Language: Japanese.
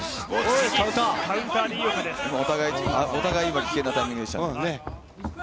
お互い今危険なタイミングでしたね。